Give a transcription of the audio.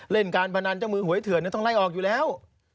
เล่นการพนันเจ้ามือหวยเถื่อนต้องไล่ออกอยู่แล้ว